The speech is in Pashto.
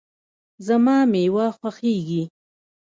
زما مېوه خوښیږي